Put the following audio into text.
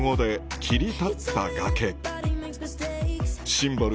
シンボル